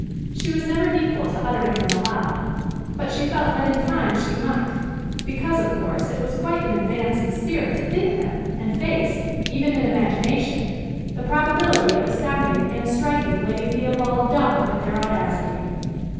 She was never equal to uttering them aloud; but she felt that in time she might, because of course it was quite an advance in spirit to think them, and face, even in imagination, the probability of astounding and striking Lady Theobald dumb with their audacity.